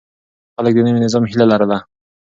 خلک د نوي نظام هيله لرله.